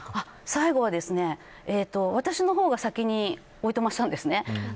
最後は、私の方が先においとましたんです。